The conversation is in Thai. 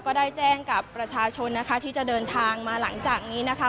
ก็ได้แจ้งกับประชาชนนะคะที่จะเดินทางมาหลังจากนี้นะคะ